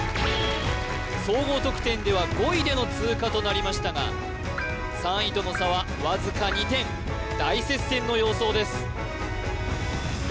総合得点では５位での通過となりましたが３位との差はわずか２点大接戦の様相です